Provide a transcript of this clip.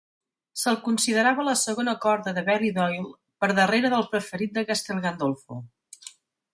Se'l considerava la segona corda de Ballydoyle, per darrere del preferit de Castel Gandolfo.